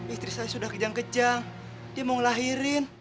istri saya sudah kejang kejang dia mau ngelahirin